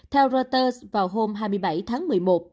theo reuters vào hôm hai mươi bảy tháng một mươi một